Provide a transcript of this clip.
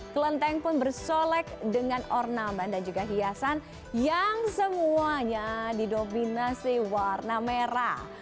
kelenteng pun bersolek dengan ornamen dan juga hiasan yang semuanya didominasi warna merah